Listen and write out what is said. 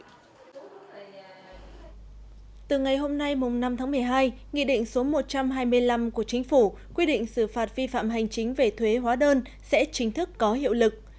từ ngày hôm nay năm tháng một mươi hai nghị định số một trăm hai mươi năm của chính phủ quy định xử phạt vi phạm hành chính về thuế hóa đơn sẽ chính thức có hiệu lực